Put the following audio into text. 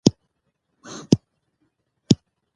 کله چې مو په لاره